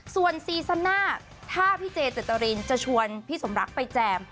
ส่วนซีซันน่าถ้าพี่เจเจตรินจะชวนพี่สมรักไปแจม